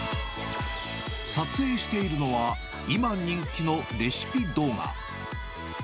撮影しているのは、今人気のレシピ動画。